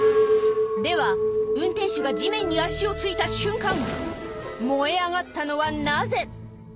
では運転手が地面に足を着いた瞬間燃え上がったのはなぜ？